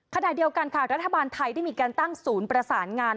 ขณะเดียวกันค่ะรัฐบาลไทยได้มีการตั้งศูนย์ประสานงาน